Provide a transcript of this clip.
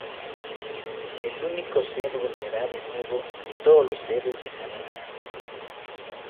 El Único Ser volverá de nuevo, y todos los seres dejarán de existir.